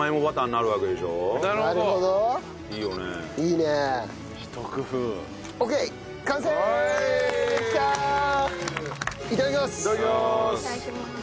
いただきます。